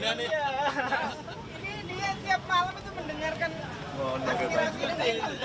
di sini kan tempat tempat